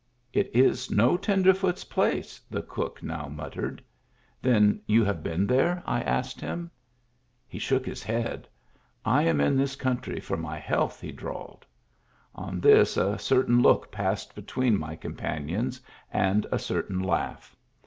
"It is no tenderfoot's place," the cook now muttered. Then you have been there ?'* I asked him. He shook his head. " I am in this country for my health," he drawled. On this a certain look passed between my companions, and a certain laugh.